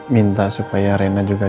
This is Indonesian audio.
jangan jangan neighbour together